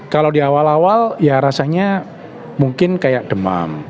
kalau di awal awal ya rasanya mungkin kayak demam